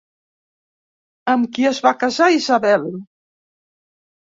Amb qui es va casar Isabel?